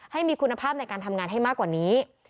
ให้มีคุณภาพในการทำงานให้มากกว่านี้